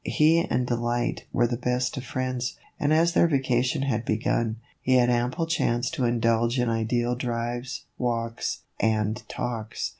He and Delight were the best of friends, and as her vacation had begun, he had ample chance to indulge in ideal drives, walks, and talks.